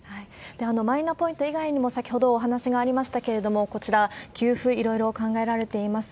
マイナポイント以外にも、先ほどお話がありましたけれども、こちら、給付、いろいろ考えられています。